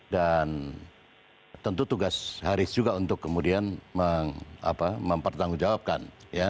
dan tentu tugas haris juga untuk kemudian mempertanggungjawabkan